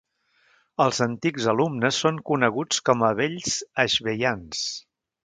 Els antics alumnes són coneguts com a Vells Ashbeians.